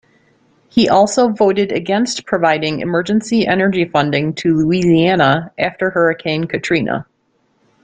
He also voted against providing emergency energy funding to Louisiana after Hurricane Katrina.